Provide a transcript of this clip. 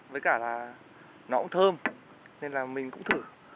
với cả là nó cũng thơm nên là mình cũng thử